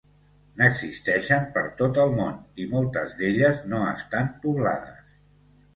N'existeixen per tot el món i moltes d'elles no estan poblades.